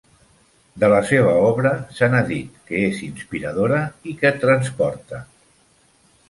De la seva obra se n'ha dit que és inspiradora i que et transporta.